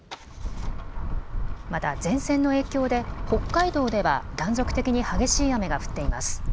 また前線の影響で北海道では断続的に激しい雨が降っています。